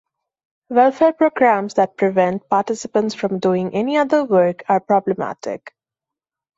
Welfare programs that "prevent participants from doing any other work" are problematic.